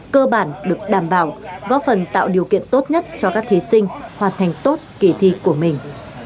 cơ bản được đảm bảo góp phần tạo điều kiện tốt nhất cho các thí sinh hoàn thành tốt kỳ thi của mình